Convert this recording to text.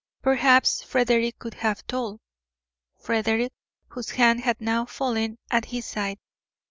Perhaps Frederick could have told, Frederick, whose hand had now fallen at his side.